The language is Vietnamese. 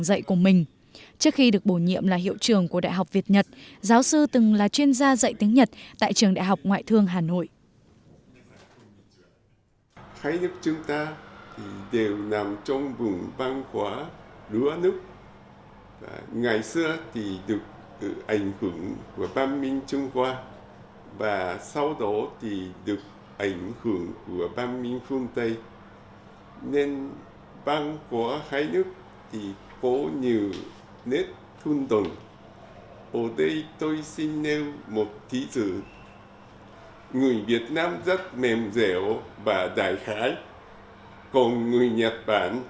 trước khi được bổ nhiệm là hiệu trường của đại học việt nhật giáo sư từng là chuyên gia dạy tiếng nhật bản giáo sư từng là chuyên gia dạy tiếng nhật bản